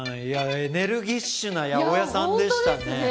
いやエネルギッシュな八百屋さんでしたね